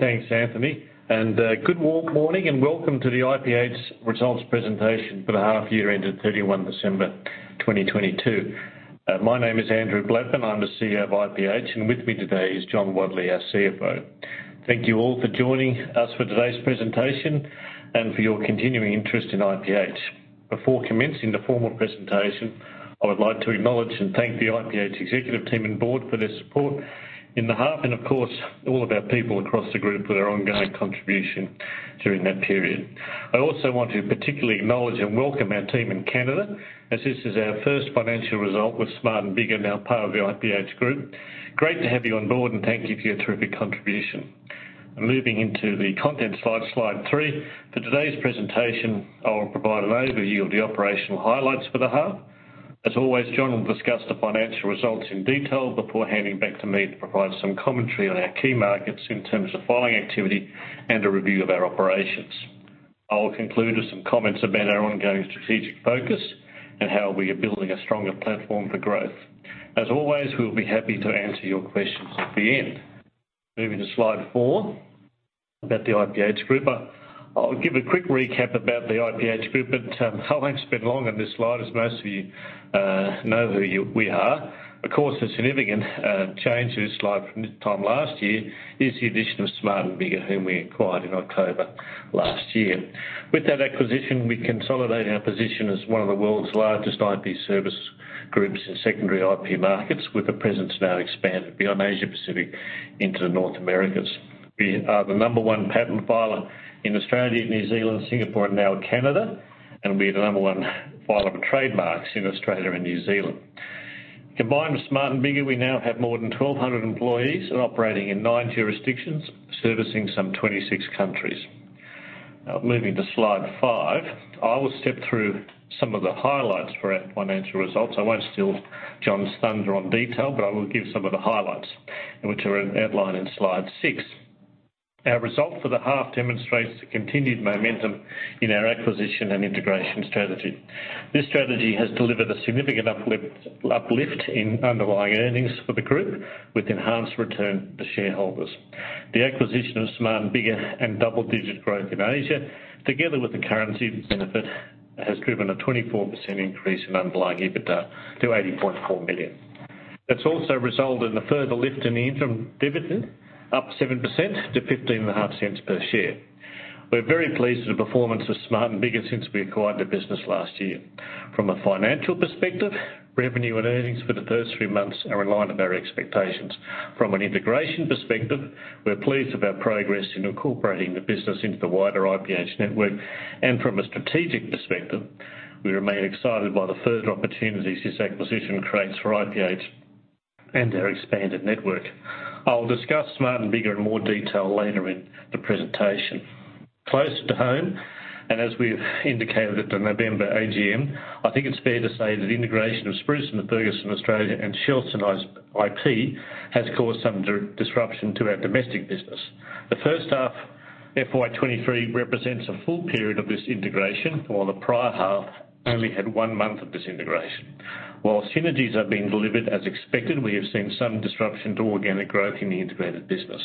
Thanks, Anthony. Good warm morning and welcome to the IPH results presentation for the half year ended 31st December 2022. My name is Andrew Blattman, and I'm the CEO of IPH, and with me today is John Wadley, our CFO. Thank you all for joining us for today's presentation and for your continuing interest in IPH. Before commencing the formal presentation, I would like to acknowledge and thank the IPH executive team and board for their support in the half, and of course, all of our people across the group for their ongoing contribution during that period. I also want to particularly acknowledge and welcome our team in Canada, as this is our first financial result with Smart & Biggar, now part of the IPH Group. Great to have you on board, and thank you for your terrific contribution. Moving into the content slide three. For today's presentation, I will provide an overview of the operational highlights for the half. As always, John will discuss the financial results in detail before handing back to me to provide some commentary on our key markets in terms of filing activity and a review of our operations. I will conclude with some comments about our ongoing strategic focus and how we are building a stronger platform for growth. As always, we'll be happy to answer your questions at the end. Moving to slide four, about the IPH Group. I'll give a quick recap about the IPH Group, but I won't spend long on this slide as most of you know who we are. Of course, the significant change to this slide from this time last year is the addition of Smart & Biggar, whom we acquired in October last year. With that acquisition, we consolidate our position as one of the world's largest IP service groups in secondary IP markets, with a presence now expanded beyond Asia-Pacific into the North Americas. We are the number one patent filer in Australia, New Zealand, Singapore, and now Canada, and we're the number one filer of trademarks in Australia and New Zealand. Combined with Smart & Biggar, we now have more than 1,200 employees and operating in nine jurisdictions, servicing some 26 countries. Now, moving to Slide five, I will step through some of the highlights for our financial results. I won't steal John's thunder on detail, but I will give some of the highlights, which are outlined in Slide six. Our result for the half demonstrates the continued momentum in our acquisition and integration strategy. This strategy has delivered a significant uplift in underlying earnings for the group with enhanced return to shareholders. The acquisition of Smart & Biggar and double-digit growth in Asia, together with the currency benefit, has driven a 24% increase in underlying EBITDA to 80.4 million. It's also resulted in a further lift in the interim dividend, up 7% to 0.155 per share. We're very pleased with the performance of Smart & Biggar since we acquired the business last year. From a financial perspective, revenue and earnings for the first three months are in line with our expectations. From an integration perspective, we're pleased about progress in incorporating the business into the wider IPH network. From a strategic perspective, we remain excited by the further opportunities this acquisition creates for IPH and our expanded network. I'll discuss Smart & Biggar in more detail later in the presentation. Closer to home, as we've indicated at the November AGM, I think it's fair to say that integration of Spruson & Ferguson Australia and Shelston IP has caused some disruption to our domestic business. The first half, FY2023, represents a full period of this integration, while the prior half only had one month of this integration. While synergies are being delivered as expected, we have seen some disruption to organic growth in the integrated business.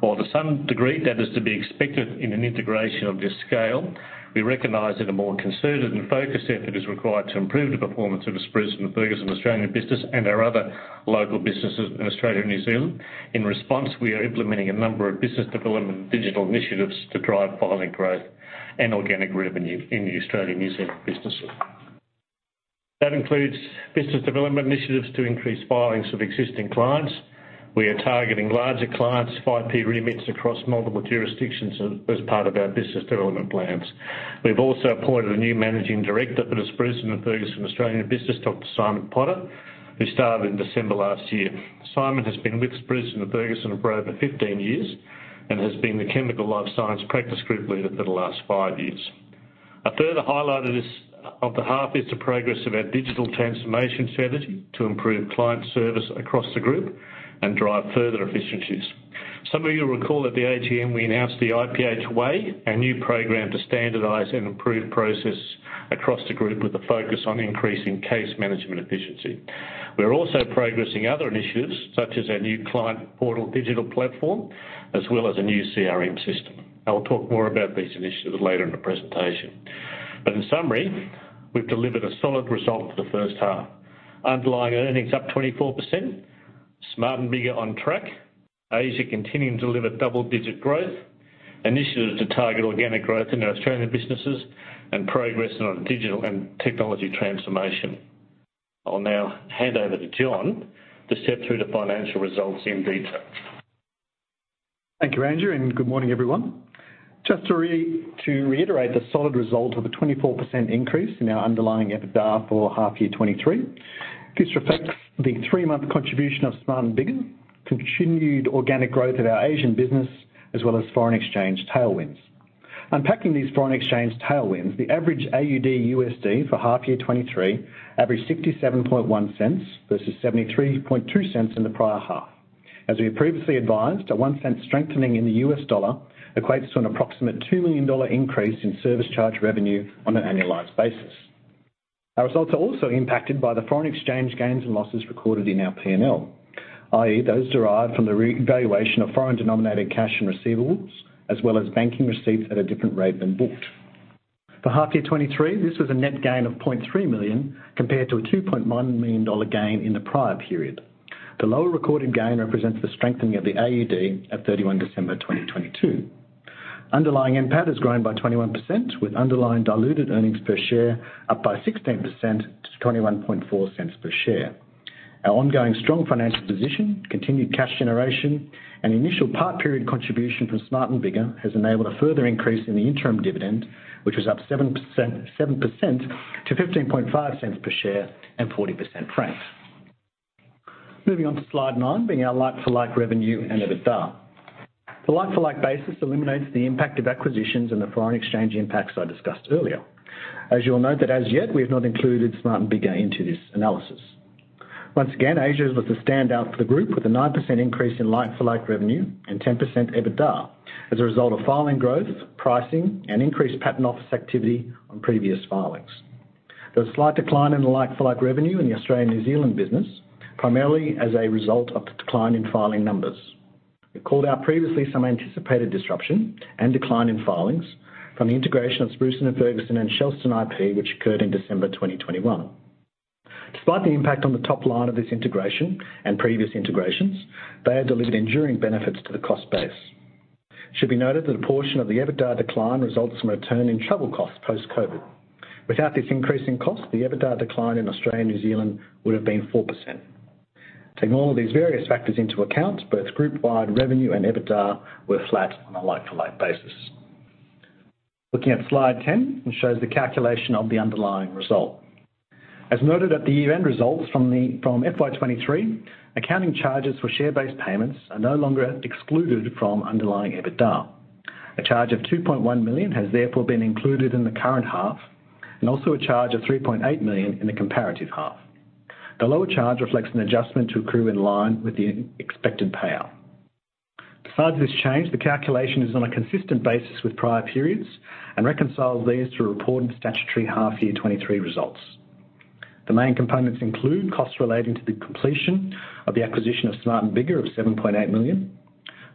While to some degree that is to be expected in an integration of this scale, we recognize that a more concerted and focused effort is required to improve the performance of the Spruson & Ferguson Australian business and our other local businesses in Australia and New Zealand. In response, we are implementing a number of business development digital initiatives to drive filing growth and organic revenue in the Australian-New Zealand businesses. That includes business development initiatives to increase filings with existing clients. We are targeting larger clients' IP remits across multiple jurisdictions as part of our business development plans. We've also appointed a new Managing Director for the Spruson & Ferguson Australian business, Dr Simon Potter, who started in December last year. Simon has been with Spruson & Ferguson for over 15 years and has been the chemical life science practice group leader for the last five years. A further highlight of the half is the progress of our digital transformation strategy to improve client service across the group and drive further efficiencies. Some of you recall at the AGM, we announced The IPH Way, our new program to standardize and improve process across the group with a focus on increasing case management efficiency. We are also progressing other initiatives, such as our new client portal digital platform, as well as a new CRM system. I will talk more about these initiatives later in the presentation. In summary, we've delivered a solid result for the first half. Underlying earnings up 24%, Smart & Biggar on track, Asia continuing to deliver double-digit growth, initiatives to target organic growth in our Australian businesses, and progress on digital and technology transformation. I'll now hand over to John to step through the financial results in detail. Thank you, Andrew, and good morning, everyone. Just to reiterate the solid result of a 24% increase in our underlying EBITDA for half year 2023. This reflects the three-month contribution of Smart & Biggar, continued organic growth of our Asian business, as well as foreign exchange tailwinds. Unpacking these foreign exchange tailwinds, the average AUD/USD for half year 2023 averaged 67.1 cents versus 73.2 cents in the prior half. As we previously advised, a $0.1 Strengthening in the US dollar equates to an approximate $2 million increase in service charge revenue on an annualized basis. Our results are also impacted by the foreign exchange gains and losses recorded in our P&L, i.e., those derived from the revaluation of foreign denominated cash and receivables, as well as banking receipts at a different rate than booked. For half year 2023, this was a net gain of 0.3 million compared to a 2.1 million dollar gain in the prior period. The lower recorded gain represents the strengthening of the AUD at 31st December 2022. Underlying NPAT has grown by 21% with underlying diluted earnings per share, up by 16% to 0.214 per share. Our ongoing strong financial position, continued cash generation, and initial part period contribution from Smart & Biggar has enabled a further increase in the interim dividend, which was up 7% to 0.155 per share and 40% franked. Moving on to slide nine, being our like-for-like revenue and EBITDA. The like-for-like basis eliminates the impact of acquisitions and the foreign exchange impacts I discussed earlier. As you'll note that as yet, we have not included Smart & Biggar into this analysis. Once again, Asia was the standout for the group with a 9% increase in like-for-like revenue and 10% EBITDA as a result of filing growth, pricing, and increased patent office activity on previous filings. There was a slight decline in the like-for-like revenue in the Australian New Zealand business, primarily as a result of the decline in filing numbers. We called out previously some anticipated disruption and decline in filings from the integration of Spruson & Ferguson and Shelston IP, which occurred in December 2021. Despite the impact on the top line of this integration and previous integrations, they have delivered enduring benefits to the cost base. It should be noted that a portion of the EBITDA decline results from a return in travel costs post-COVID. Without this increase in cost, the EBITDA decline in Australia New Zealand would have been 4%. Taking all these various factors into account, both group-wide revenue and EBITDA were flat on a like-for-like basis. Looking at slide 10, which shows the calculation of the underlying result. As noted at the year-end results from FY2023, accounting charges for share-based payments are no longer excluded from underlying EBITDA. A charge of 2.1 million has therefore been included in the current half and also a charge of 3.8 million in the comparative half. The lower charge reflects an adjustment to accrue in line with the expected payout. Besides this change, the calculation is on a consistent basis with prior periods and reconciles these to report in statutory half year 2023 results. The main components include costs relating to the completion of the acquisition of Smart & Biggar of 7.8 million.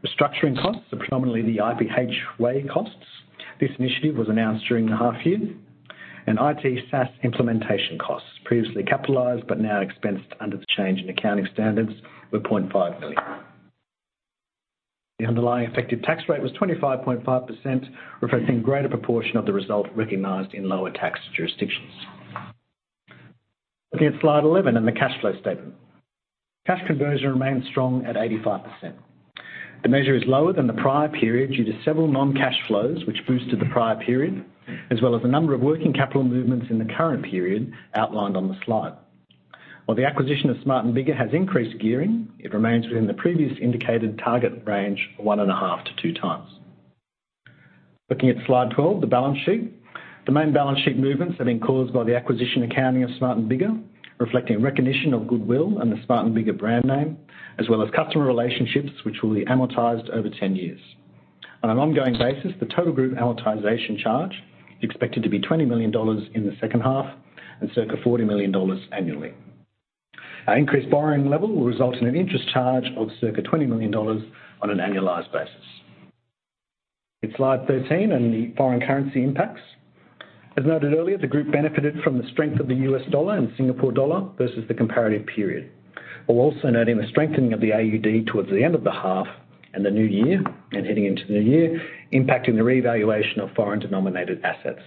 Restructuring costs are predominantly the IPH Way costs. This initiative was announced during the half year. IT SaaS implementation costs, previously capitalized but now expensed under the change in accounting standards were 0.5 million. The underlying effective tax rate was 25.5%, reflecting greater proportion of the result recognized in lower tax jurisdictions. Looking at slide 11 and the cash flow statement. Cash conversion remains strong at 85%. The measure is lower than the prior period due to several non-cash flows which boosted the prior period, as well as a number of working capital movements in the current period outlined on the slide. While the acquisition of Smart & Biggar has increased gearing, it remains within the previous indicated target range of 1.5x-2x. Looking at slide 12, the balance sheet. The main balance sheet movements have been caused by the acquisition accounting of Smart & Biggar, reflecting a recognition of goodwill and the Smart & Biggar brand name, as well as customer relationships, which will be amortized over 10 years. On an ongoing basis, the total group amortization charge is expected to be $20 million in the second half and circa $40 million annually. Our increased borrowing level will result in an interest charge of circa $20 million on an annualized basis. In slide 13 on the foreign currency impacts. As noted earlier, the group benefited from the strength of the US dollar and Singapore dollar versus the comparative period. While also noting the strengthening of the AUD towards the end of the half and the new year, and heading into the new year, impacting the revaluation of foreign denominated assets.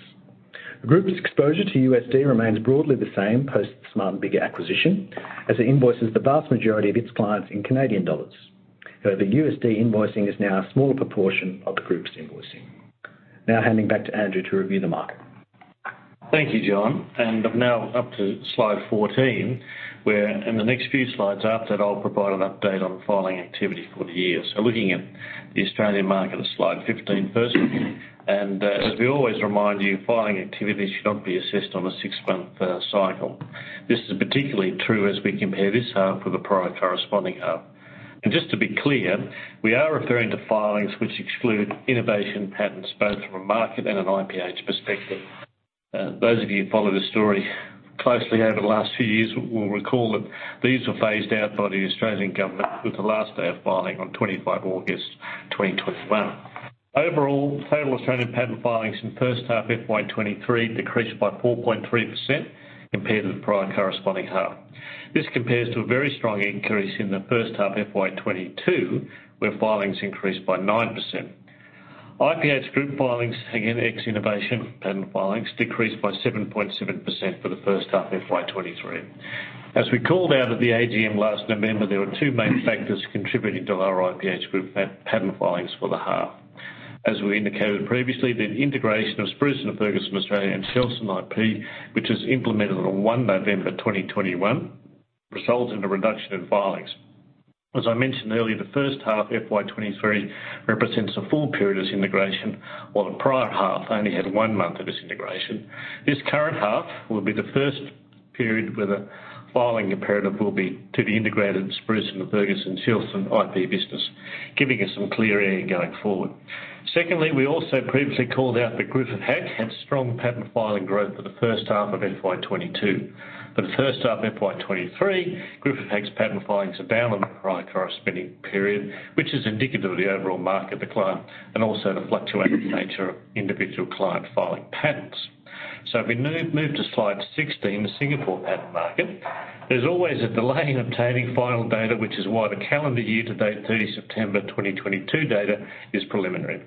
The group's exposure to USD remains broadly the same post Smart & Biggar acquisition as it invoices the vast majority of its clients in Canadian dollars. However, the USD invoicing is now a smaller proportion of the group's invoicing. Now handing back to Andrew to review the market. Thank you, John. Now up to slide 14, where in the next few slides after that, I'll provide an update on filing activity for the year. Looking at the Australian market at slide 15 first. As we always remind you, filing activity should not be assessed on a six month cycle. This is particularly true as we compare this half with the prior corresponding half. Just to be clear, we are referring to filings which exclude innovation patents, both from a market and an IPH perspective. Those of you who follow the story closely over the last few years will recall that these were phased out by the Australian government with the last day of filing on 25th August 2021. Overall, total Australian patent filings in first half FY2023 decreased by 4.3% compared to the prior corresponding half. This compares to a very strong increase in the first half FY2022, where filings increased by 9%. IPH group filings, again, ex innovation patent filings, decreased by 7.7% for the first half FY2023. As we called out at the AGM last November, there were two main factors contributing to lower IPH group patent filings for the half. As we indicated previously, the integration of Spruson & Ferguson Australia and Shelston IP, which was implemented on one November 2021, results in a reduction in filings. As I mentioned earlier, the first half FY2023 represents a full period of this integration, while the prior half only had one month of this integration. This current half will be the first period where the filing imperative will be to the integrated Spruson & Ferguson and Shelston IP business, giving us some clear air going forward. Secondly, we also previously called out that Griffith Hack had strong patent filing growth for the first half of FY2022. For the first half of FY2023, Griffith Hack's patent filings are down on the prior corresponding period, which is indicative of the overall market decline and also the fluctuating nature of individual client filing patents. If we move to slide 16, the Singapore patent market, there's always a delay in obtaining final data, which is why the calendar year to date 30th September 2022 data is preliminary.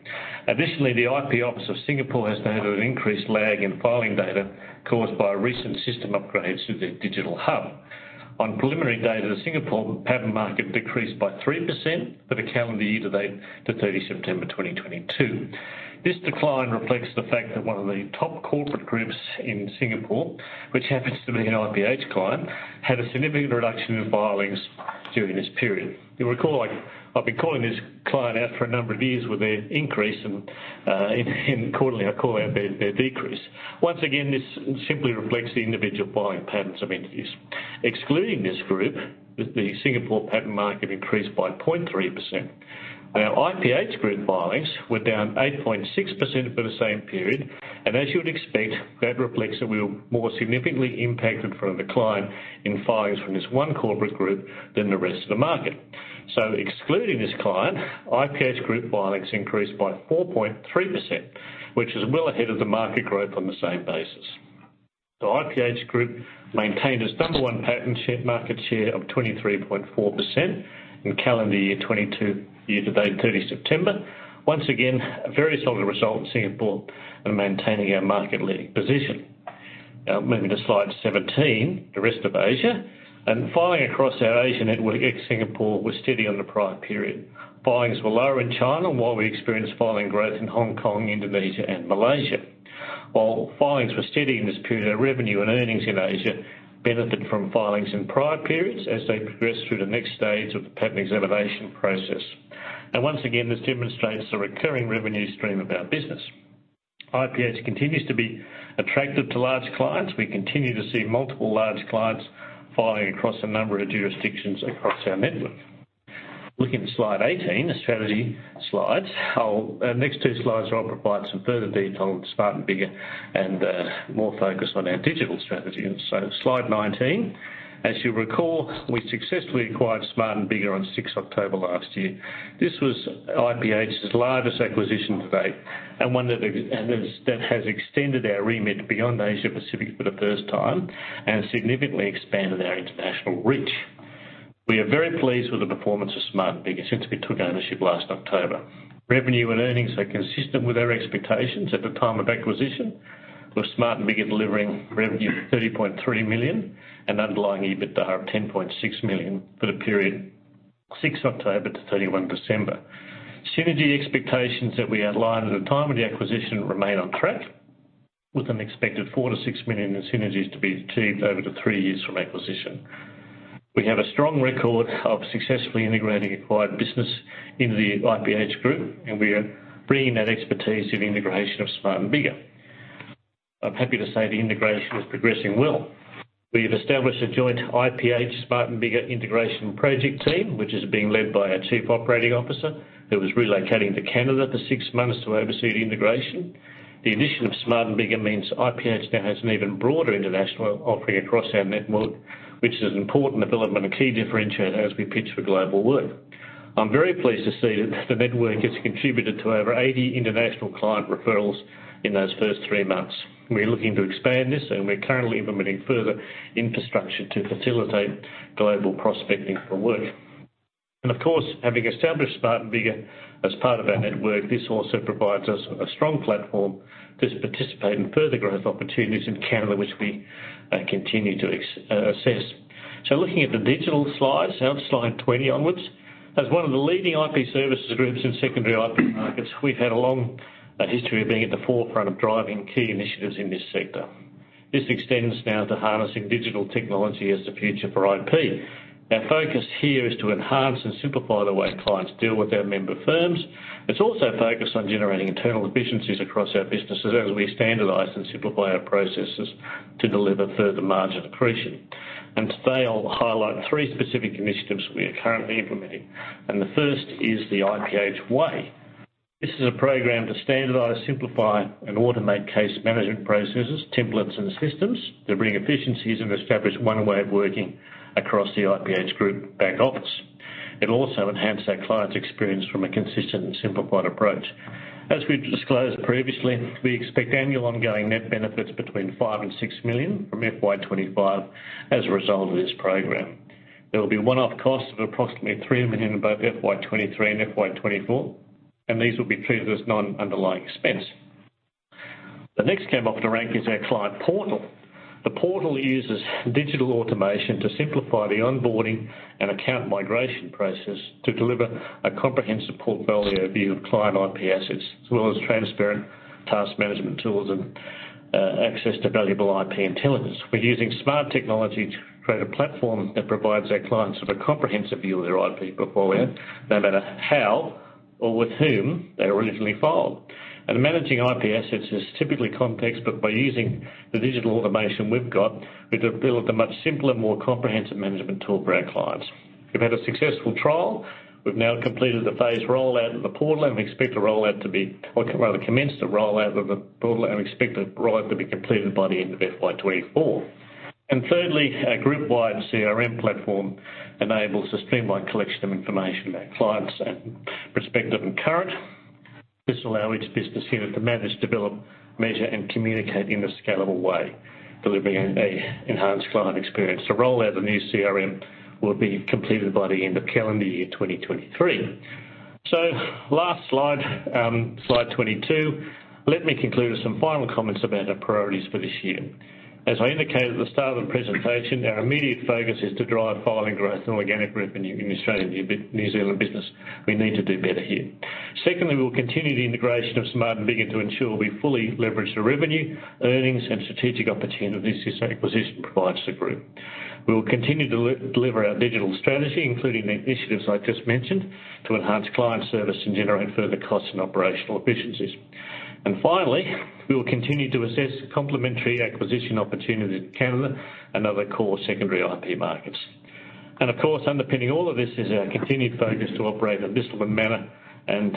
Additionally, the IP Office of Singapore has noted an increased lag in filing data caused by recent system upgrades to their digital hub. On preliminary data, the Singapore patent market decreased by 3% for the calendar year to date to 30th September 2022. This decline reflects the fact that one of the top corporate groups in Singapore, which happens to be an IPH client, had a significant reduction in filings during this period. You'll recall, I've been calling this client out for a number of years with their increase and quarterly, I call out their decrease. Once again, this simply reflects the individual filing patterns of entities. Excluding this group, the Singapore patent market increased by 0.3%. IPH Group filings were down 8.6% for the same period, as you would expect, that reflects that we were more significantly impacted from a decline in filings from this one corporate group than the rest of the market. Excluding this client, IPH Group filings increased by 4.3%, which is well ahead of the market growth on the same basis. IPH Group maintained its number one patent market share of 23.4% in calendar year 2022 year to date, 30th September. Once again, a very solid result in Singapore and maintaining our market-leading position. Moving to slide 17, the rest of Asia. Filing across our Asian network ex Singapore was steady on the prior period. Filings were lower in China while we experienced filing growth in Hong Kong, Indonesia and Malaysia. While filings were steady in this period, our revenue and earnings in Asia benefited from filings in prior periods as they progress through the next stage of the patent examination process. Once again, this demonstrates the recurring revenue stream of our business. IPH continues to be attractive to large clients. We continue to see multiple large clients filing across a number of jurisdictions across our network. Looking at slide 18, the strategy slides. Our next two slides will provide some further detail on Smart & Biggar and more focus on our digital strategy. Slide 19. As you'll recall, we successfully acquired Smart & Biggar on 6th October last year. This was IPH's largest acquisition to date and one that has extended our remit beyond Asia Pacific for the first time and significantly expanded our international reach. We are very pleased with the performance of Smart & Biggar since we took ownership last October. Revenue and earnings are consistent with our expectations at the time of acquisition, with Smart & Biggar delivering revenue of 30.3 million and underlying EBITDA of 10.6 million for the period 6th October to 31st December. Synergy expectations that we outlined at the time of the acquisition remain on track, with an expected 4 million-6 million in synergies to be achieved over the three years from acquisition. We have a strong record of successfully integrating acquired business into the IPH Group, and we are bringing that expertise to the integration of Smart & Biggar. I'm happy to say the integration is progressing well. We have established a joint IPH Smart & Biggar integration project team, which is being led by our Chief Operating Officer, who is relocating to Canada for six months to oversee the integration. The addition of Smart & Biggar means IPH now has an even broader international offering across our network, which is an important development and key differentiator as we pitch for global work. I'm very pleased to see that the network has contributed to over 80 international client referrals in those first three months. We're looking to expand this, and we're currently implementing further infrastructure to facilitate global prospecting for work. Of course, having established Smart & Biggar as part of our network, this also provides us a strong platform to participate in further growth opportunities in Canada, which we continue to assess. Looking at the digital slides, slide 20 onwards. As one of the leading IP services groups in secondary IP markets, we've had a long history of being at the forefront of driving key initiatives in this sector. This extends now to harnessing digital technology as the future for IP. Our focus here is to enhance and simplify the way clients deal with our member firms. It's also focused on generating internal efficiencies across our businesses as we standardize and simplify our processes to deliver further margin accretion. Today, I'll highlight three specific initiatives we are currently implementing. The first is The IPH Way. This is a program to standardize, simplify, and automate case management processes, templates, and systems that bring efficiencies and establish one way of working across the IPH group back office. It'll also enhance our clients' experience from a consistent and simplified approach. As we've disclosed previously, we expect annual ongoing net benefits between 5 million and 6 million from FY2025 as a result of this program. There will be one-off costs of approximately 3 million in both FY2023 and FY2024. These will be treated as non-underlying expense. The next came up the rank is our client portal. The portal uses digital automation to simplify the onboarding and account migration process to deliver a comprehensive portfolio view of client IP assets, as well as transparent task management tools and access to valuable IP intelligence. We're using smart technology to create a platform that provides our clients with a comprehensive view of their IP portfolio, no matter how or with whom they originally filed. Managing IP assets is typically complex, but by using the digital automation we've got, we've developed a much simpler, more comprehensive management tool for our clients. We've had a successful trial. We've now completed the phase rollout of the portal, and we expect the rollout or rather, commence the rollout of the portal, and we expect the rollout to be completed by the end of FY2024. Thirdly, our group-wide CRM platform enables the streamlined collection of information about clients, prospective and current. This will allow each business unit to manage, develop, measure, and communicate in a scalable way, delivering a enhanced client experience. The rollout of the new CRM will be completed by the end of calendar year 2023. Last slide 22. Let me conclude with some final comments about our priorities for this year. As I indicated at the start of the presentation, our immediate focus is to drive filing growth and organic revenue in Australian and New Zealand business. We need to do better here. Secondly, we'll continue the integration of Smart & Biggar to ensure we fully leverage the revenue, earnings, and strategic opportunities this acquisition provides the group. We will continue to de-deliver our digital strategy, including the initiatives I just mentioned, to enhance client service and generate further cost and operational efficiencies. Finally, we will continue to assess complementary acquisition opportunities in Canada and other core secondary IP markets. Of course, underpinning all of this is our continued focus to operate in a disciplined manner and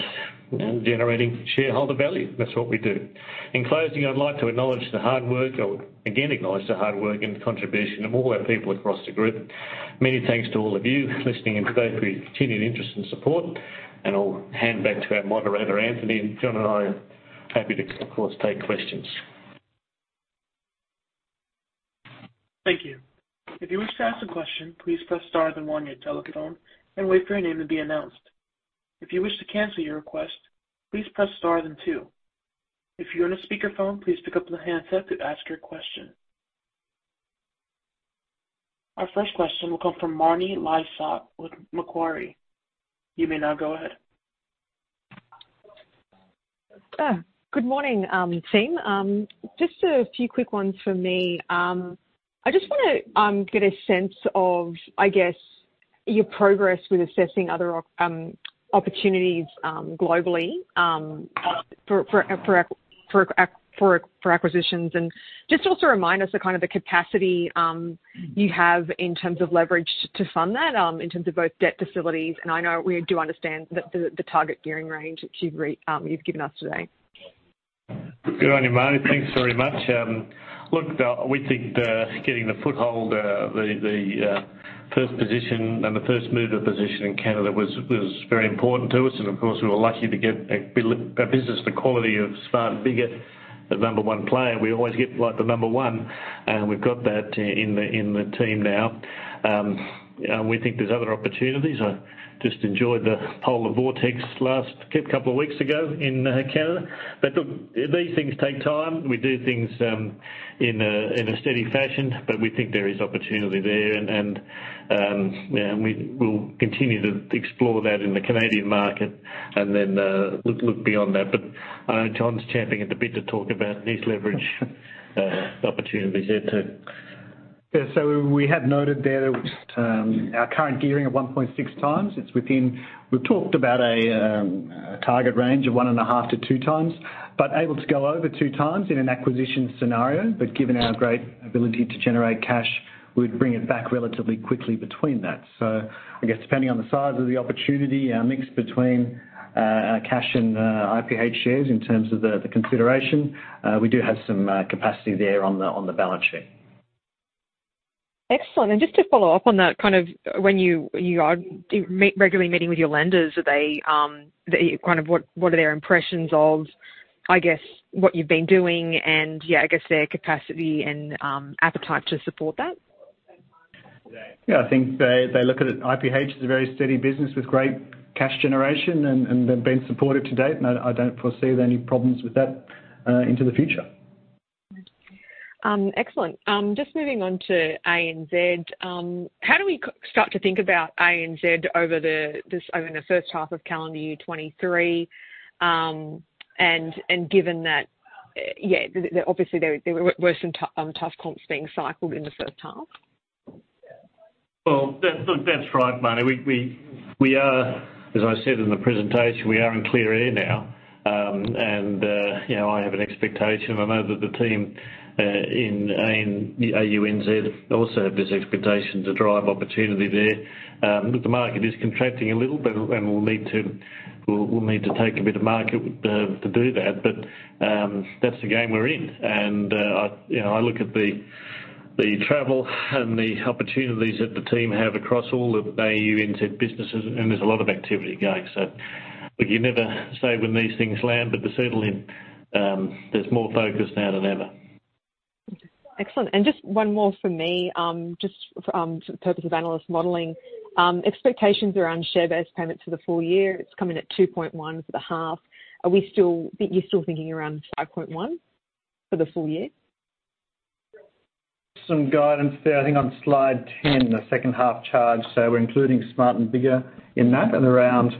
generating shareholder value. That's what we do. In closing, I'd like to acknowledge the hard work or again acknowledge the hard work and contribution of all our people across the group. Many thanks to all of you listening in today for your continued interest and support, and I'll hand back to our moderator, Anthony. John and I are happy to, of course, take questions. Thank you. If you wish to ask a question, please press star then one on your telephone and wait for your name to be announced. If you wish to cancel your request, please press star then two. If you're on a speakerphone, please pick up the handset to ask your question. Our first question will come from Marni Lysaght with Macquarie. You may now go ahead. Good morning, team. Just a few quick ones from me. I just wanna get a sense of, I guess, your progress with assessing other opportunities globally for acquisitions. Just also remind us the kind of the capacity you have in terms of leverage to fund that in terms of both debt facilities, and I know we do understand the target gearing range that you've given us today. Good on you, Marni. Thanks very much. Look, we think that getting the foothold, the first position and the first mover position in Canada was very important to us. Of course, we were lucky to get a business the quality of Smart & Biggar, the number one player. We always like the number one, and we've got that in the team now. We think there's other opportunities. I just enjoyed the polar vortex last couple of weeks ago in Canada. Look, these things take time. We do things in a steady fashion, but we think there is opportunity there. Yeah, we will continue to explore that in the Canadian market and then, look beyond that. John's champing at the bit to talk about these leverage opportunities there too. Yeah. We had noted there with our current gearing of 1.6x. It's within. We've talked about a target range of 1.5x-2x, able to go over 2x in an acquisition scenario. Given our great ability to generate cash, we'd bring it back relatively quickly between that. I guess depending on the size of the opportunity, our mix between our cash and IPH shares in terms of the consideration, we do have some capacity there on the balance sheet. Excellent. Just to follow up on that, when you are regularly meeting with your lenders, are they what are their impressions of, I guess, what you've been doing and I guess their capacity and appetite to support that? Yeah, I think they look at it, IPH as a very steady business with great cash generation and they've been supportive to date, and I don't foresee any problems with that into the future. Excellent. Just moving on to ANZ. How do we start to think about ANZ over the first half of calendar year 2023? Given that obviously there were some tough comps being cycled in the first half. That's right, Marni. We are, as I said in the presentation, we are in clear air now. You know, I have an expectation. I know that the team in AU, NZ also have this expectation to drive opportunity there. The market is contracting a little bit, we'll need to take a bit of market to do that. That's the game we're in. I, you know, I look at the travel and the opportunities that the team have across all of AU, NZ businesses, there's a lot of activity going. You never say when these things land, there's certainly more focus now than ever. Excellent. Just one more from me, for purpose of analyst modeling. Expectations around share-based payments for the full year, it's coming at 2.1 for the half. Are you still thinking around 5.1 for the full year? Some guidance there, I think on slide 10, the second half charge. We're including Smart & Biggar in that and around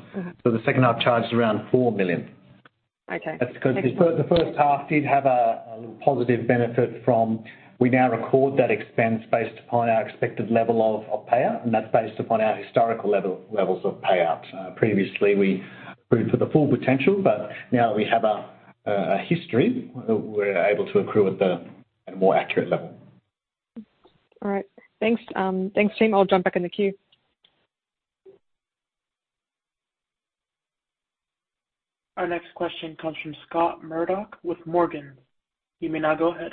for the second half charge is around 4 million. Okay. That's 'cause the first half did have a little positive benefit from, we now record that expense based upon our expected level of payout, and that's based upon our historical levels of payout. Previously, we approved for the full potential, but now we have a history, we're able to accrue at a more accurate level. All right. Thanks. Thanks, team. I'll jump back in the queue. Our next question comes from Scott Murdoch with Morgans. You may now go ahead.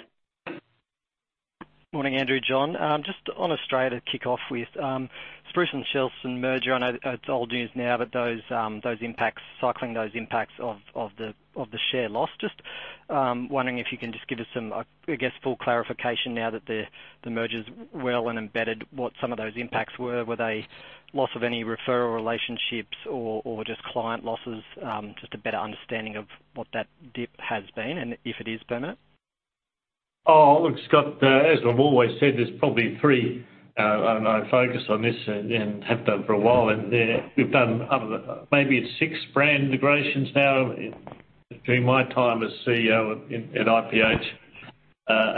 Morning, Andrew, John. Just on Australia to kick off with, Spruson & Ferguson and Shelston IP merger, I know it's old news now, but those impacts, cycling those impacts of the share loss, just wondering if you can just give us some I guess full clarification now that the merger's well and embedded, what some of those impacts were. Were they loss of any referral relationships or just client losses? Just a better understanding of what that dip has been and if it is permanent. Oh, look, Scott, as we've always said, there's probably three, and have done for a while, we've done other, maybe it's six brand integrations now in between my time as CEO in IPH.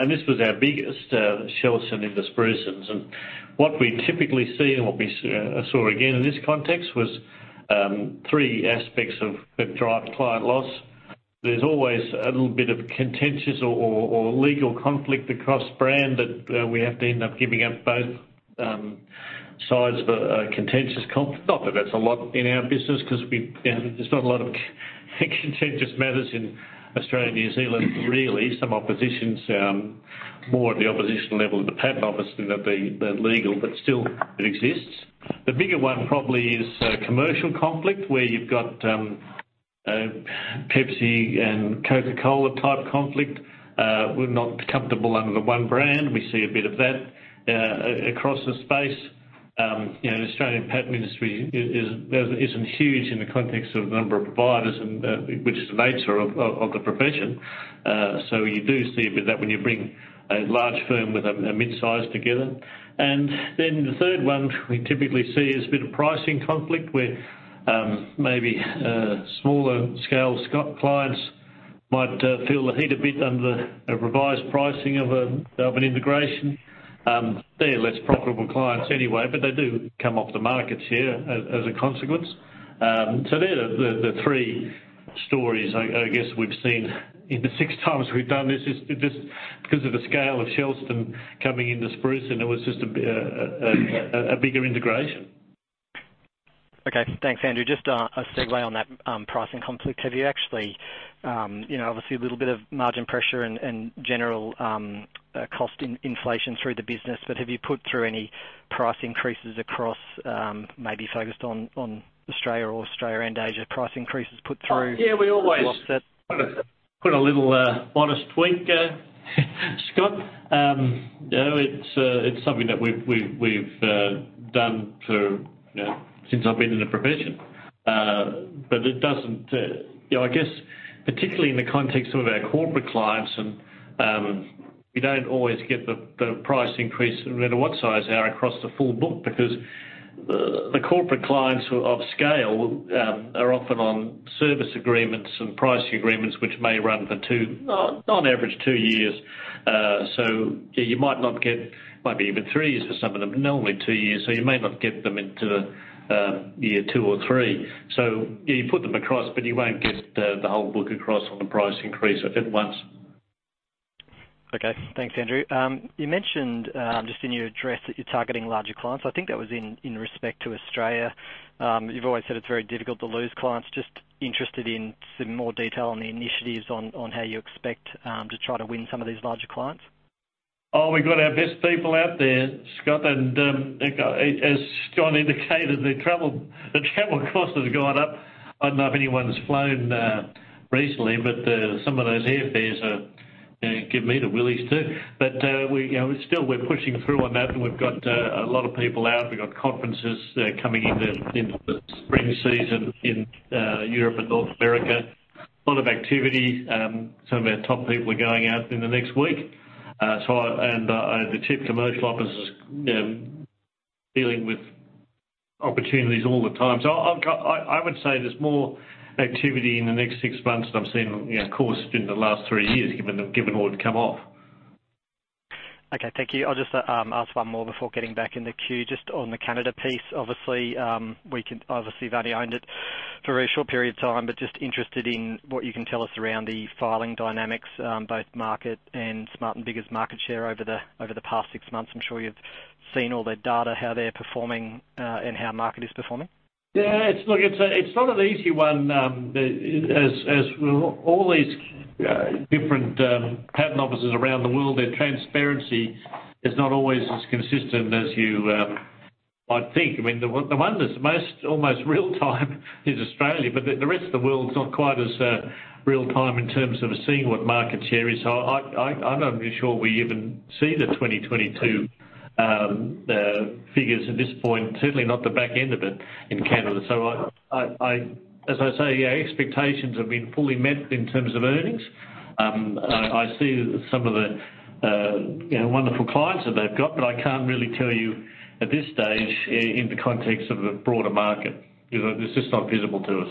This was our biggest, Shelston into Spruson. What we typically see and what we saw again in this context was three aspects of that drive client loss. There's always a little bit of contentious or legal conflict across brand that we have to end up giving up both sides of a contentious con- Not that that's a lot in our business 'cause we, you know, there's not a lot of contentious matters in Australia and New Zealand, really. Some oppositions, more at the opposition level of the patent office than at the legal, but still it exists. The bigger one probably is commercial conflict, where you've got a Pepsi and Coca-Cola type conflict. We're not comfortable under the one brand. We see a bit of that across the space. You know, the Australian patent industry isn't huge in the context of number of providers and which is the nature of the profession. So you do see a bit of that when you bring a large firm with a mid-size together. Then the third one we typically see is a bit of pricing conflict, where maybe smaller scale clients might feel the heat a bit under the revised pricing of an integration. They're less profitable clients anyway, but they do come off the market share as a consequence. They're the three stories I guess we've seen in the 6x we've done this. It's just because of the scale of Shelston coming into Spruson, and it was just a bigger integration. Okay. Thanks, Andrew. Just a segue on that pricing conflict. Have you actually, you know, obviously a little bit of margin pressure and general cost inflation through the business, but have you put through any price increases across, maybe focused on Australia or Australia and Asia, price increases put through? Yeah. To offset? Put a little modest tweak, Scott. You know, it's something that we've done for since I've been in the profession. It doesn't. You know, I guess particularly in the context of our corporate clients and we don't always get the price increase no matter what size they are across the full book because the corporate clients of scale are often on service agreements and pricing agreements which may run for two, on average, two years. You might not get maybe even three years for some of them. Normally two years, you may not get them into year two or three. You put them across, but you won't get the whole book across on the price increase if at once. Okay. Thanks, Andrew. You mentioned, just in your address that you're targeting larger clients. I think that was in respect to Australia. You've always said it's very difficult to lose clients. Just interested in some more detail on the initiatives on how you expect to try to win some of these larger clients. We've got our best people out there, Scott, like, as John indicated, the travel costs have gone up. I don't know if anyone's flown recently. Some of those airfares give me the willies too. We, you know, still we're pushing through on that, and we've got a lot of people out. We've got conferences coming into the spring season in Europe and North America. A lot of activity. Some of our top people are going out in the next week. The chief commercial officer is dealing with opportunities all the time. I would say there's more activity in the next six months than I've seen, you know, of course, in the last three years, given all that come off. Okay, thank you. I'll just ask one more before getting back in the queue. Just on the Canada piece, obviously, we can obviously you've only owned it for a short period of time, but just interested in what you can tell us around the filing dynamics, both market and Smart & Biggar market share over the past six months. I'm sure you've seen all their data, how they're performing, and how market is performing. Yeah. Look, it's not an easy one, as with all these different patent offices around the world. Their transparency is not always as consistent as you I'd think. I mean, the one that's most almost real time is Australia, the rest of the world's not quite as real time in terms of seeing what market share is. I'm not even sure we even see the 2022 figures at this point, certainly not the back end of it in Canada. As I say, our expectations have been fully met in terms of earnings. I see some of the, you know, wonderful clients that they've got, I can't really tell you at this stage in the context of the broader market. You know, it's just not visible to us.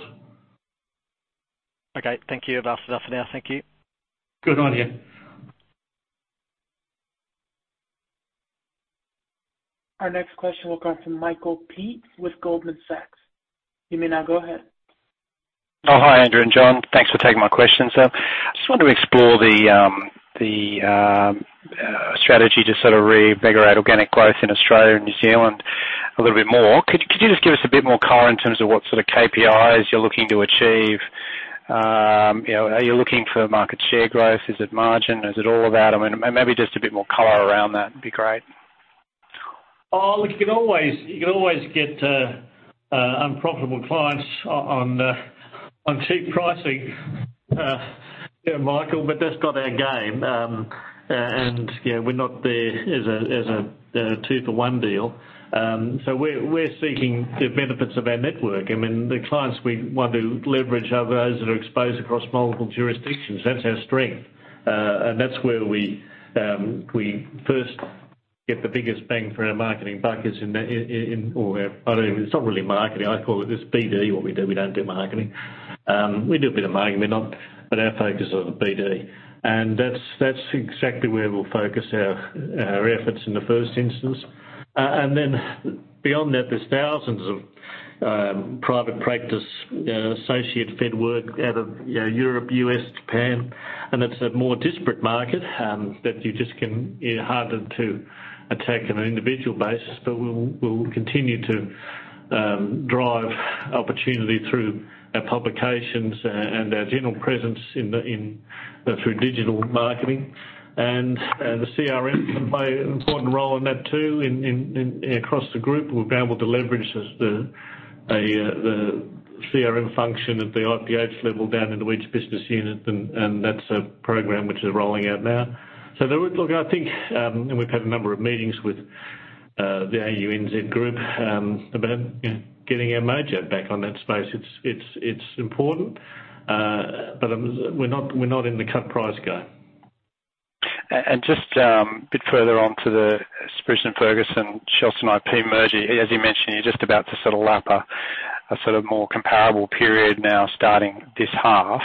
Okay. Thank you. That's enough for now. Thank you. Good on you. Our next question will come from Michael Peet with Goldman Sachs. You may now go ahead. Hi, Andrew and John. Thanks for taking my questions. I just wanted to explore the strategy to sort of reinvigorate organic growth in Australia and New Zealand a little bit more. Could you just give us a bit more color in terms of what sort of KPIs you're looking to achieve? You know, are you looking for market share growth? Is it margin? Is it all of that? I mean, maybe just a bit more color around that'd be great. Oh, look, you can always, you can always get unprofitable clients on cheap pricing, you know, Michael, but that's not our game. You know, we're not there as a two-for-one deal. We're seeking the benefits of our network. I mean, the clients we want to leverage are those that are exposed across multiple jurisdictions. That's our strength. That's where we first get the biggest bang for our marketing buck is in the, it's not really marketing. I call it's BD, what we do. We don't do marketing. We do a bit of marketing. Our focus is on the BD. That's exactly where we'll focus our efforts in the first instance. Then beyond that, there's thousands of private practice associate fed work out of, you know, Europe, U.S., Japan, and It harder to attack on an individual basis. We'll continue to drive opportunity through our publications and our general presence in the, you know, through digital marketing. The CRMs can play an important role in that too, in across the group. We've been able to leverage the CRM function at the IPH level down into each business unit and that's a program which is rolling out now. I think, and we've had a number of meetings with the AUNZ group about getting our mojo back on that space. It's important, but we're not in the cut-price game. Just a bit further on to the Spruson & Ferguson, Shelston IP merger. As you mentioned, you're just about to sort of lap a sort of more comparable period now starting this half.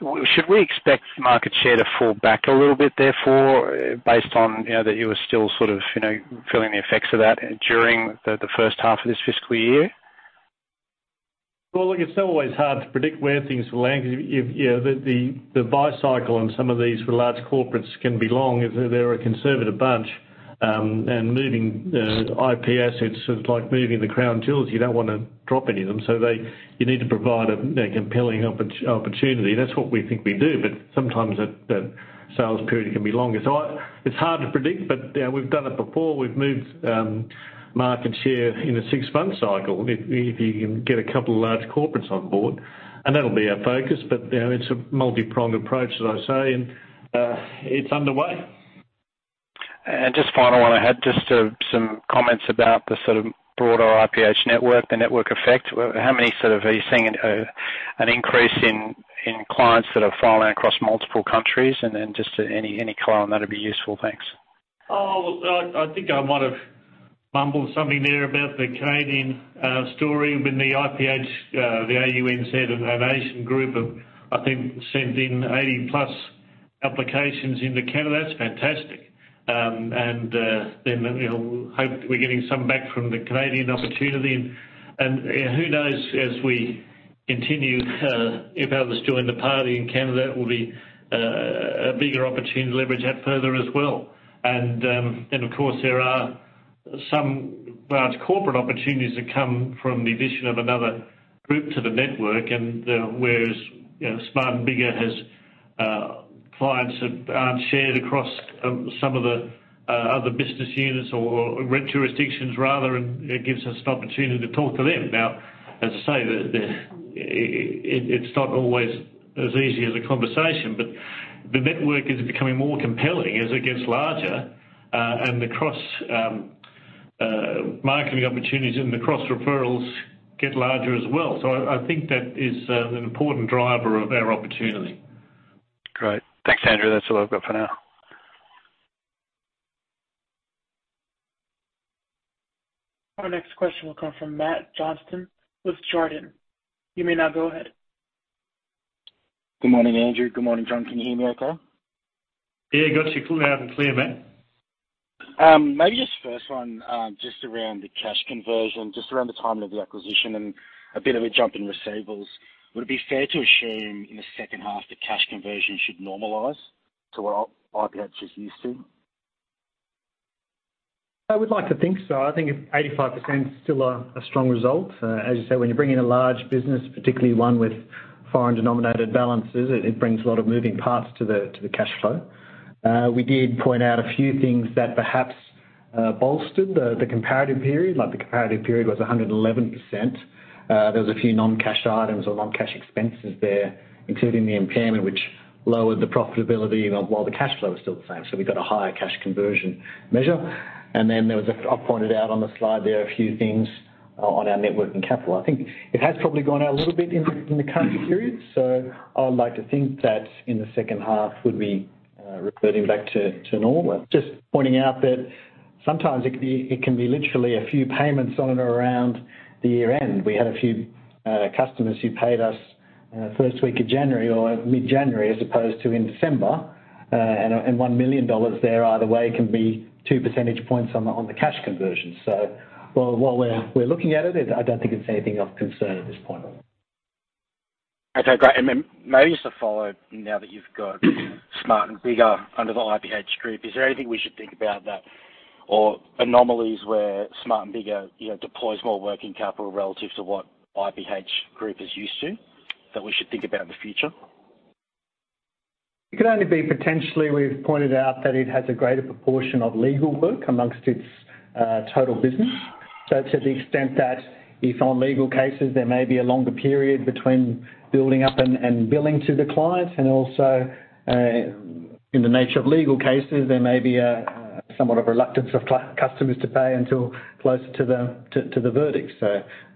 Should we expect market share to fall back a little bit therefore based on, you know, that you were still sort of, you know, feeling the effects of that during the first half of this fiscal year? Well, look, it's always hard to predict where things will land because you've, you know, the buy cycle on some of these for large corporates can be long. They're a conservative bunch, and moving IP assets is like moving the crown jewels. You don't wanna drop any of them. You need to provide a compelling opportunity. That's what we think we do, but sometimes that sales period can be longer. It's hard to predict, but, you know, we've done it before. We've moved market share in a six-month cycle if you can get a couple of large corporates on board, and that'll be our focus. You know, it's a multi-pronged approach, as I say, and it's underway. Just final one I had, just some comments about the sort of broader IPH network, the network effect. How many sort of are you seeing an increase in clients that are filing across multiple countries? Then just any color on that'll be useful. Thanks. Well, I think I might have mumbled something there about the Canadian story with the IPH, the AUNZ and our Asian group have, I think, sent in 80+ applications into Canada. It's fantastic. You know, hope we're getting some back from the Canadian opportunity. Who knows, as we continue, if others join the party in Canada, it will be a bigger opportunity to leverage that further as well. Of course, there are some large corporate opportunities that come from the addition of another group to the network, whereas, you know, Smart & Biggar has clients that aren't shared across some of the other business units or jurisdictions rather. It gives us an opportunity to talk to them. Now, as I say, the. It's not always as easy as a conversation, but the network is becoming more compelling as it gets larger, and the cross marketing opportunities and the cross-referrals get larger as well. I think that is an important driver of our opportunity. Great. Thanks, Andrew. That's all I've got for now. Our next question will come from Matt Johnston with Jarden. You may now go ahead. Good morning, Andrew. Good morning, John. Can you hear me okay? Yeah, got you loud and clear, Matt. Maybe just first one, just around the cash conversion, just around the timing of the acquisition and a bit of a jump in receivables. Would it be fair to assume in the second half the cash conversion should normalize to what IPH is used to? I would like to think so. I think if 85% is still a strong result. As you say, when you bring in a large business, particularly one with foreign denominated balances, it brings a lot of moving parts to the cash flow. We did point out a few things that perhaps bolstered the comparative period. Like the comparative period was 111%. I pointed out on the slide there a few things. On our network and capital. I think it has probably gone out a little bit in the current period, so I would like to think that in the second half we'll be reverting back to normal. Just pointing out that sometimes it can be literally a few payments on and around the year-end. We had a few customers who paid us first week of January or mid-January, as opposed to in December. 1 million dollars there either way can be two percentage points on the cash conversion. While we're looking at it, I don't think it's anything of concern at this point. Okay, great. Then maybe just to follow now that you've got Smart & Biggar under the IPH group, is there anything we should think about that or anomalies where Smart & Biggar, you know, deploys more working capital relative to what IPH group is used to that we should think about in the future? It could only be potentially, we've pointed out that it has a greater proportion of legal work amongst its total business. To the extent that if on legal cases there may be a longer period between building up and billing to the clients and also in the nature of legal cases, there may be somewhat of reluctance of customers to pay until closer to the verdict.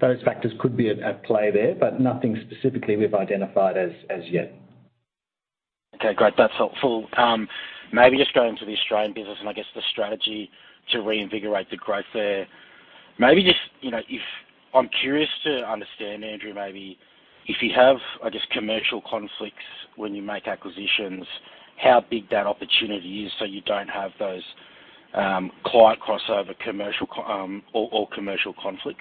Those factors could be at play there, but nothing specifically we've identified as yet. Okay, great. That's helpful. Maybe just going to the Australian business and I guess the strategy to reinvigorate the growth there. Maybe just, you know, I'm curious to understand, Andrew, maybe if you have, I guess, commercial conflicts when you make acquisitions, how big that opportunity is so you don't have those, client crossover commercial or commercial conflicts?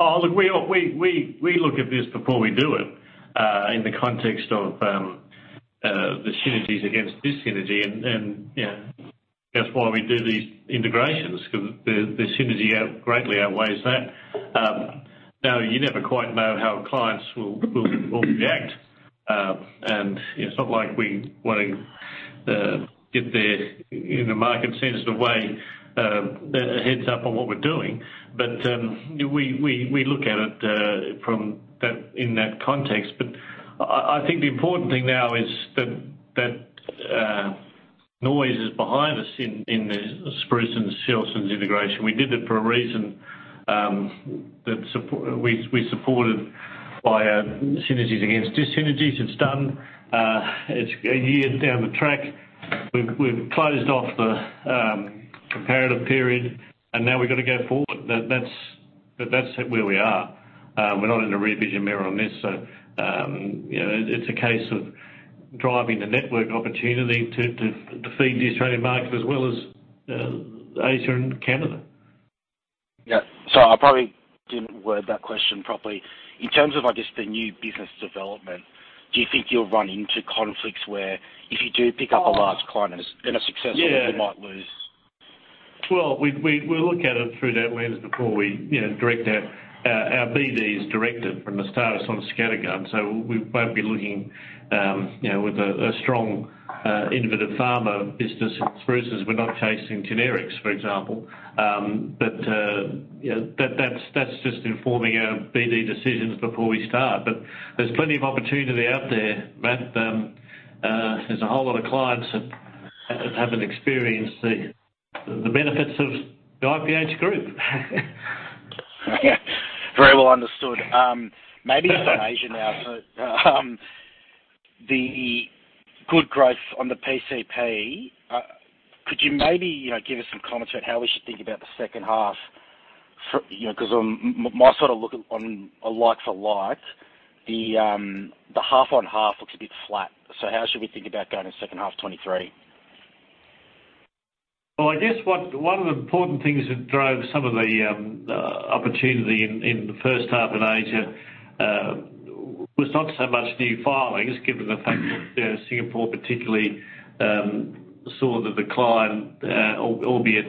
Look, we look at this before we do it in the context of the synergies against this synergy. You know, that's why we do these integrations because the synergy greatly outweighs that. Now you never quite know how clients will react. And it's not like we wanna give their, you know, market sensitive way, a heads up on what we're doing. We look at it from that, in that context. I think the important thing now is that noise is behind us in the Spruson and Shelston integration. We did it for a reason, that's we supported by synergies against dis-synergies. It's done. It's a year down the track. We've closed off the comparative period, now we've got to go forward. That's where we are. We're not in a rear vision mirror on this, you know, it's a case of driving the network opportunity to feed the Australian market as well as Asia and Canada. Yeah. I probably didn't word that question properly. In terms of, I guess, the new business development, do you think you'll run into conflicts where if you do pick up a large client and it's been a success. Yeah. You might lose? Well, we look at it through that lens before we, you know, direct our BD is directed from the start. It's on scattergun, so we won't be looking, you know, with a strong innovative pharma business. Spruce is, we're not chasing generics, for example. You know, that's just informing our BD decisions before we start. There's plenty of opportunity out there, Matt. There's a whole lot of clients that haven't experienced the benefits of the IPH Group. Very well understood. Maybe on Asia now. The good growth on the PCP, could you maybe, you know, give us some comments about how we should think about the second half for. You know, 'cause on my sort of look on a like for like, the 50/50 looks a bit flat. How should we think about going to second half 2023? I guess one of the important things that drove some of the opportunity in the first half in Asia was not so much new filings, given the fact that Singapore particularly saw the decline, albeit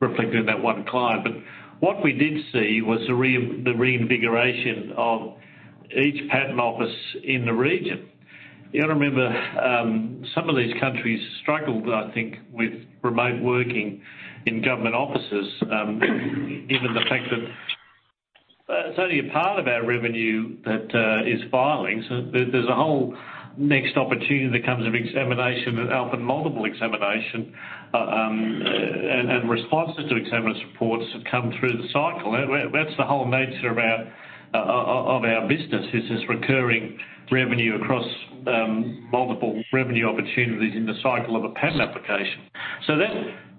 reflected in that one client. What we did see was the reinvigoration of each patent office in the region. You gotta remember, some of these countries struggled, I think, with remote working in government offices, given the fact that it's only a part of our revenue that is filings. There's a whole next opportunity that comes with examination and often multiple examination and responses to examiners' reports that come through the cycle. That's the whole nature of our of our business is this recurring revenue across multiple revenue opportunities in the cycle of a patent application.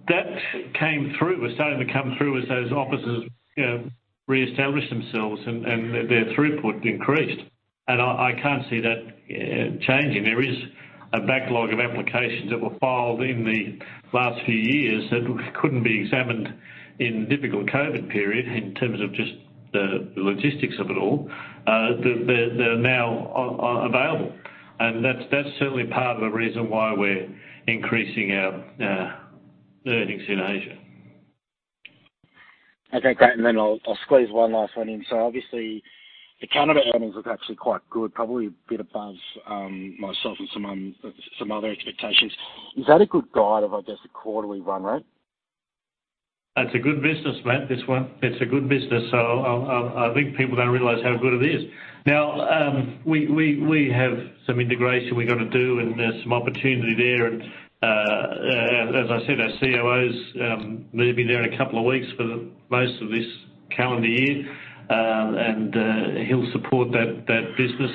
That came through, was starting to come through as those offices, you know, reestablish themselves and their throughput increased. I can't see that changing. There is a backlog of applications that were filed in the last few years that couldn't be examined in difficult COVID period in terms of just the logistics of it all, they're now available, and that's certainly part of the reason why we're increasing our earnings in Asia. Okay, great. I'll squeeze one last one in. Obviously the Canada earnings look actually quite good, probably a bit above myself and some other expectations. Is that a good guide of, I guess, the quarterly run rate? That's a good business, Matt. This one, it's a good business. I'll, I think people don't realize how good it is. We have some integration we've gotta do, and there's some opportunity there. As I said, our COOs, they've been there a couple of weeks for the most of this calendar year. He'll support that business.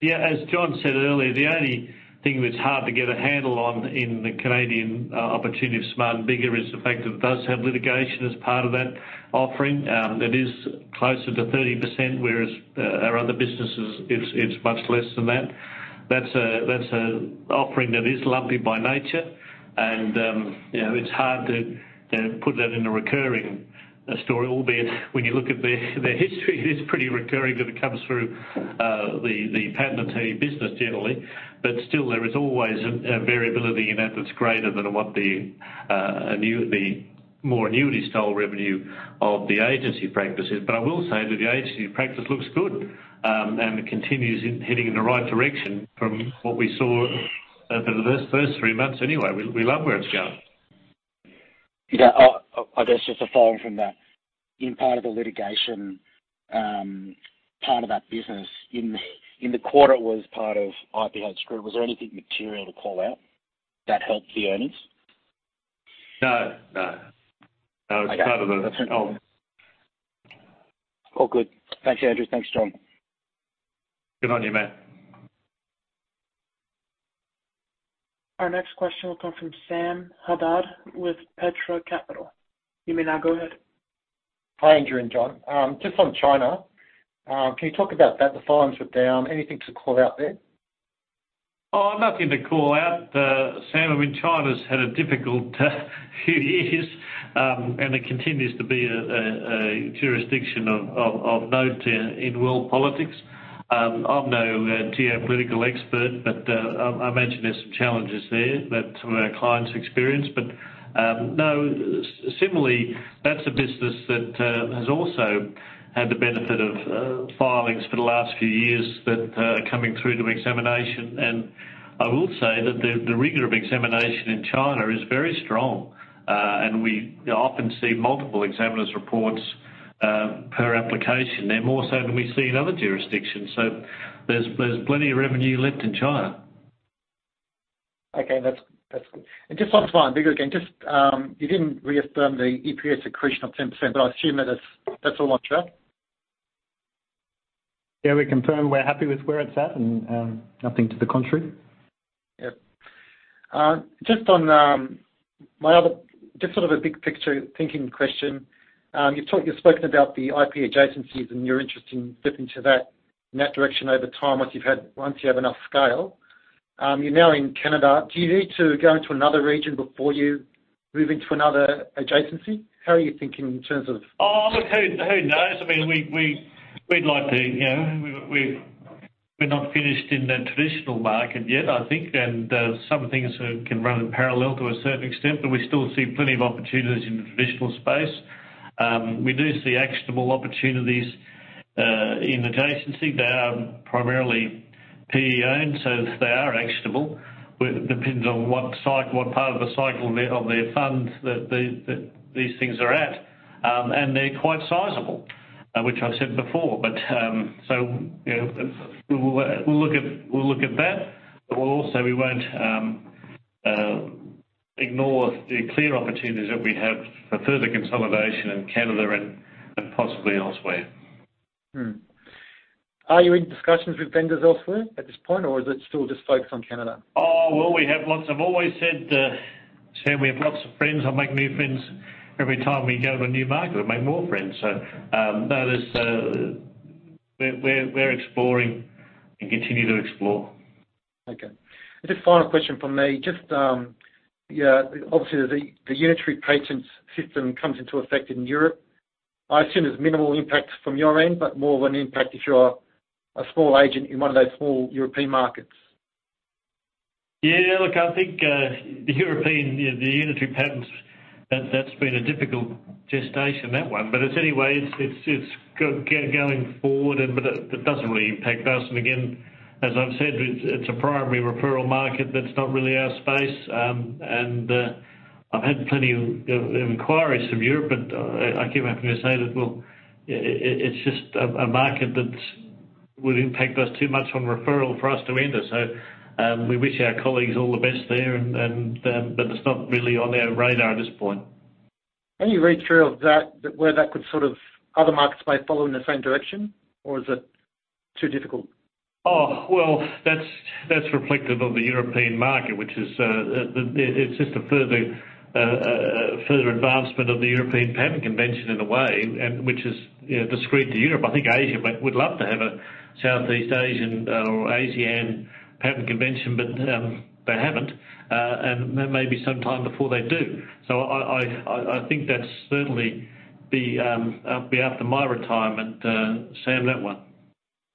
Yeah, as John said earlier, the only thing that's hard to get a handle on in the Canadian opportunity of Smart & Biggar is the fact that it does have litigation as part of that offering. It is closer to 30%, whereas our other businesses, it's much less than that. That's a offering that is lumpy by nature. You know, it's hard to put that in a recurring story, albeit when you look at the history, it is pretty recurring that it comes through the patentee business generally. Still there is always a variability in that that's greater than what the more annuity style revenue of the agency practice is. I will say that the agency practice looks good, and it continues heading in the right direction from what we saw over the first three months anyway. We love where it's going. Yeah. I guess just a following from that. In part of the litigation, part of that business in the quarter was part of IP head screw. Was there anything material to call out that helped the earnings? No, no. No, it was part of. Okay. That's it. Oh. All good. Thanks, Andrew. Thanks, John. Good on you, Matt. Our next question will come from Sam Haddad with Petra Capital. You may now go ahead. Hi, Andrew and John. Just on China, can you talk about that? The filings were down. Anything to call out there? Nothing to call out, Sam. I mean, China's had a difficult few years, and it continues to be a jurisdiction of note in world politics. I'm no geopolitical expert, but I imagine there's some challenges there that some of our clients experience. No, similarly, that's a business that has also had the benefit of filings for the last few years that are coming through to examination. I will say that the rigor of examination in China is very strong. We often see multiple examiners' reports per application there, more so than we see in other jurisdictions. There's plenty of revenue left in China. Okay. That's good. Just on Smart & Biggar again, just, you didn't reaffirm the EPS accretion of 10%, but I assume that's all on track. Yeah, we confirm we're happy with where it's at and, nothing to the contrary. Yep. Just on, just sort of a big picture thinking question. You've spoken about the IP adjacencies and your interest in dipping to that, in that direction over time, once you have enough scale. You're now in Canada. Do you need to go into another region before you move into another adjacency? How are you thinking in terms of. Oh, look, who knows? I mean, we'd like to, you know. We're not finished in the traditional market yet, I think. Some things can run in parallel to a certain extent, but we still see plenty of opportunities in the traditional space. We do see actionable opportunities in adjacency. They are primarily PE owned, so they are actionable. We depends on what cycle, what part of the cycle of their funds that these things are at. They're quite sizable, which I said before. So, you know, we'll look at that. We won't ignore the clear opportunities that we have for further consolidation in Canada and possibly elsewhere. Are you in discussions with vendors elsewhere at this point, or is it still just focused on Canada? Well, we have always said, Sam, we have lots of friends. I'll make new friends every time we go to a new market. I'll make more friends. No, there's. We're exploring and continue to explore. Okay. Just final question from me. Just, obviously, the Unitary Patent system comes into effect in Europe. I assume there's minimal impact from your end, but more of an impact if you're a small agent in one of those small European markets. Yeah, look, I think, the European, you know, the unitary patents, that's been a difficult gestation, that one. It's anyway, it's going forward and, it doesn't really impact us. Again, as I've said, it's a primary referral market. That's not really our space. I've had plenty of inquiries from Europe, but, I keep having to say that, well, it's just a market that's would impact us too much on referral for us to enter. We wish our colleagues all the best there and, but it's not really on our radar at this point. Any read through of that, where that could sort of. Other markets may follow in the same direction, or is it too difficult? Well, that's reflective of the European market, which is, it's just a further advancement of the European Patent Convention in a way, and which is, you know, discreet to Europe. I think Asia would love to have a Southeast Asian or ASEAN patent convention, but they haven't. There may be some time before they do. I think that'd certainly be after my retirement, Sam, that one.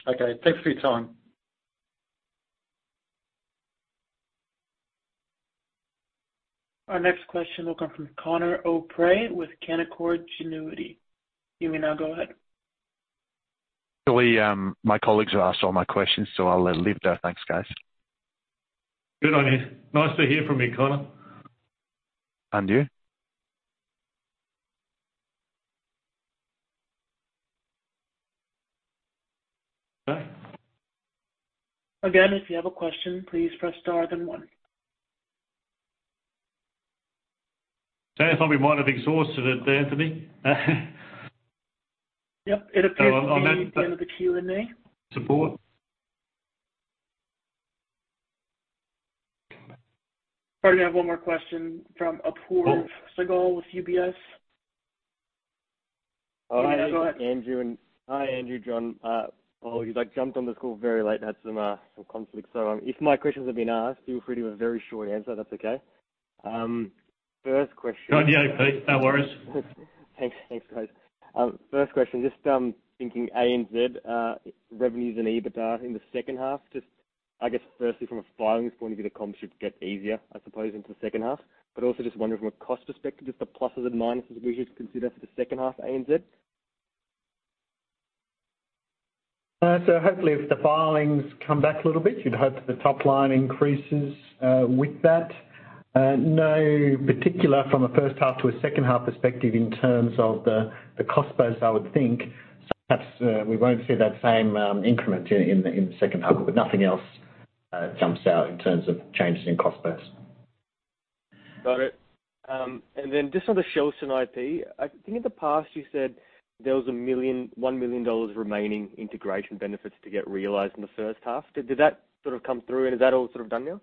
Okay. Thanks for your time. Our next question will come from Conor O'Prey with Canaccord Genuity. You may now go ahead. Actually, my colleagues have asked all my questions, so I'll let live now. Thanks, guys. Good on you. Nice to hear from you, Conor. Thank you. Okay. If you have a question, please press star then one. Sounds like we might have exhausted it there, Anthony. Yep. It appears to. On that. The end of the Q&A. Support. Sorry. We have one more question from Apoorv Sehgal with UBS. Oh. Yeah, go ahead. Hi, Andrew, John. You guys jumped on this call very late, had some conflicts. If my questions have been asked, feel free to a very short answer. That's okay. First question. Oh, yeah. No worries. Thanks. Thanks, guys. First question, just thinking ANZ revenues and EBITDA in the second half. Just I guess firstly from a filings point of view, the comms should get easier, I suppose, into the second half. Also just wondering from a cost perspective, just the pluses and minuses we should consider for the second half ANZ. Hopefully if the filings come back a little bit, you'd hope that the top line increases with that. No particular from a first half to a second half perspective in terms of the cost base, I would think. Perhaps we won't see that same increment in the second half, but nothing else jumps out in terms of changes in cost base. Got it. Then just on the Shelston IP, I think in the past you said there was 1 million dollars remaining integration benefits to get realized in the first half. Did that sort of come through and is that all sort of done now?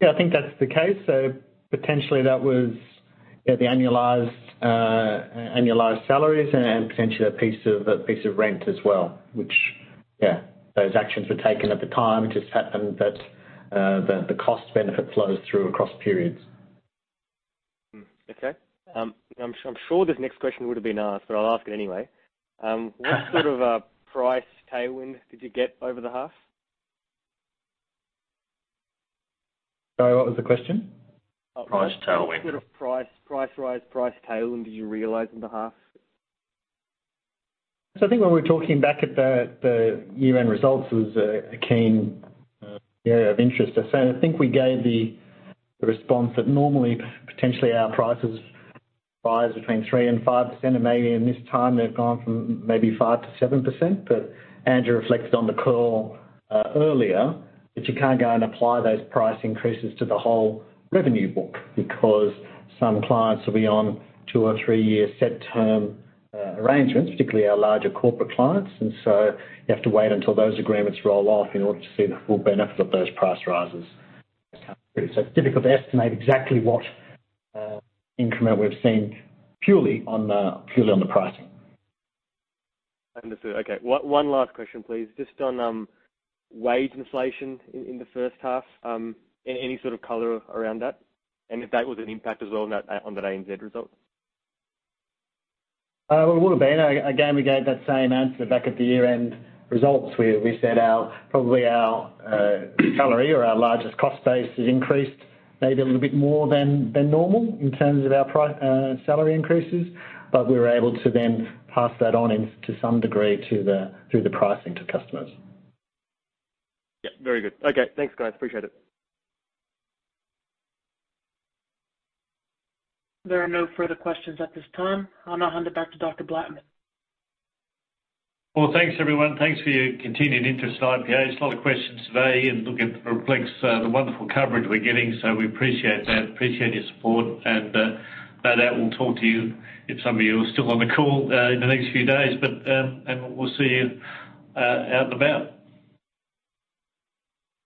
Yeah, I think that's the case. Potentially that was, yeah, the annualized salaries and potentially a piece of rent as well, which, yeah, those actions were taken at the time. It just happened that the cost benefit flows through across periods. Okay. I'm sure this next question would have been asked, but I'll ask it anyway. What sort of a price tailwind did you get over the half? Sorry, what was the question? Price tailwind. What sort of price rise, price tailwind did you realize in the half? I think when we were talking back at the year-end results was a keen area of interest. I think we gave the response that normally, potentially our prices rise between 3% and 5% and maybe in this time they've gone from maybe 5%-7%. Andrew reflected on the call earlier. You can't go and apply those price increases to the whole revenue book because some clients will be on two or three-year set term arrangements, particularly our larger corporate clients. You have to wait until those agreements roll off in order to see the full benefit of those price rises. It's difficult to estimate exactly what increment we've seen purely on the pricing. Understood. Okay. One last question, please. Just on wage inflation in the first half, any sort of color around that? If that was an impact as well on the ANZ results? It would've been. Again, we gave that same answer back at the year-end results. We said our, probably our, salary or our largest cost base has increased maybe a little bit more than normal in terms of our salary increases. We were able to then pass that on to some degree through the pricing to customers. Yeah, very good. Okay. Thanks, guys. Appreciate it. There are no further questions at this time. I'll now hand it back to Dr. Blattman. Well, thanks, everyone. Thanks for your continued interest in IPH. It's a lot of questions today and look at reflects the wonderful coverage we're getting. We appreciate that, appreciate your support. No doubt we'll talk to you if some of you are still on the call in the next few days. We'll see you out and about.